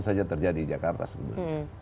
saja terjadi di jakarta sebenarnya